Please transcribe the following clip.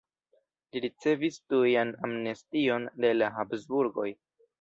Li ricevis tujan amnestion de la Habsburgoj.